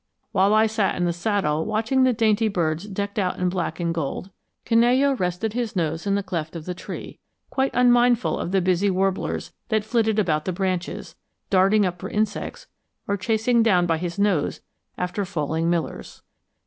While I sat in the saddle watching the dainty birds decked out in black and gold, Canello rested his nose in the cleft of the tree, quite unmindful of the busy warblers that flitted about the branches, darting up for insects or chasing down by his nose after falling millers.